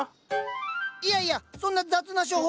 いやいやそんな雑な処方！